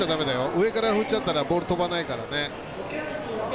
上から振ったらボール飛ばないからね。